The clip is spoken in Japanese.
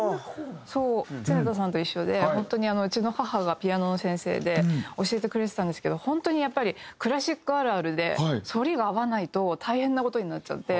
そう常田さんと一緒で本当にうちの母がピアノの先生で教えてくれてたんですけど本当にやっぱりクラシックあるあるで反りが合わないと大変な事になっちゃって。